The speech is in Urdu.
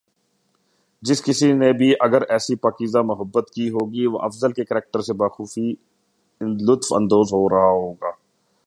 جس کسی نے بھی اگر ایسی پاکیزہ محبت کی ہوگی وہ افضل کے کریکٹر سے بخوبی لطف اندوز ہو رہا ہوگا